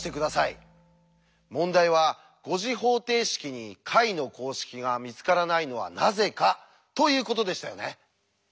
問題は５次方程式に解の公式が見つからないのはなぜかということでしたよね。